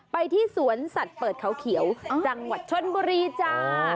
ไปที่สวนสัตว์เปิดเขาเขียวจังหวัดชนบุรีจ้า